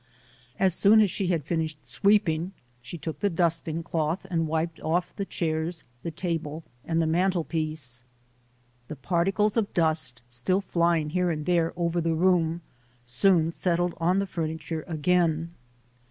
As soon as she had finished sweep ing, she took the dusting cloth and wiped off the HARRIET TUBMAN [ 89 chairs, the table and the mantel piece. The parti cles of dust, still flying here and there over the room, soon settled on the furniture again.